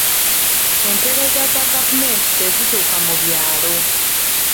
Empeereza za gavumenti tezituuka mu byalo.